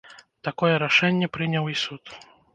Такое рашэнне прыняў і суд.